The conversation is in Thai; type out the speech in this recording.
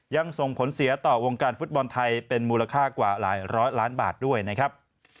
ยังส่งผลเสียต่อวงการฟุตบอลไทยเป็นมูลค่ากว่าหลายร้อยล้านบาทด้วยนะครับ